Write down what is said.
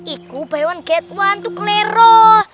itu bayuan get one tuh kelero